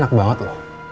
ini enak banget lo